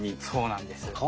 そうなんです。